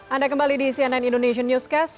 anda kembali di cnn indonesian newscast